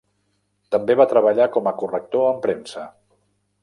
També va treballar com a corrector en premsa.